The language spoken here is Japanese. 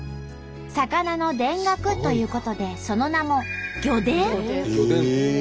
魚の田楽ということでその名も「魚でん」！